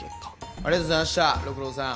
ありがとうございました六郎さん。